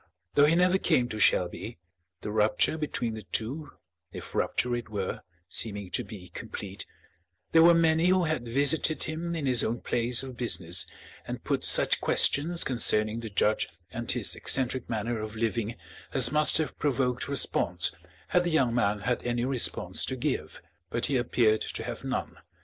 Though he never came to Shelby the rupture between the two, if rupture it were, seeming to be complete there were many who had visited him in his own place of business and put such questions concerning the judge and his eccentric manner of living as must have provoked response had the young man had any response to give. But he appeared to have none.